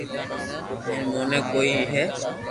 ھين موني ڪوئي ھيي